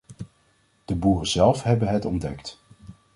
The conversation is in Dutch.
De boeren zelf hebben het ontdekt.